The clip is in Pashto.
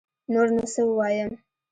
نور نو سه ووايم